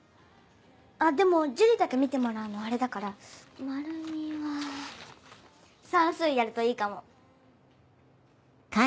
あっでも樹里だけ見てもらうのあれだからまるみは算数やるといいかも。